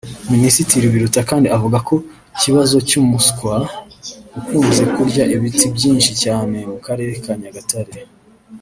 Minisitiri Biruta kandi avuga ku kibazo cy’umuswa ukunze kurya ibiti byinshi cyane mu karere ka Nyagatare